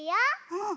うん。